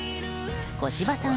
小芝さん